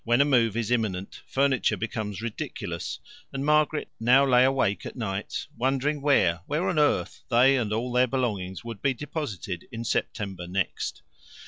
When a move is imminent, furniture becomes ridiculous, and Margaret now lay awake at nights wondering where, where on earth they and all their belongings would be deposited in September next.